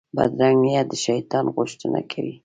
بدرنګه نیت د شیطان غوښتنه وي